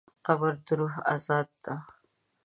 قبر د روح ازادي ده.